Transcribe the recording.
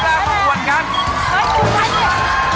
ลากมาอวดให้ด้วยลากมาอวดกัน